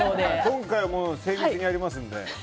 今回は精密にやりますので。